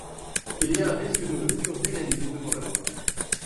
Il y a un risque de rupture d’égalité devant la loi.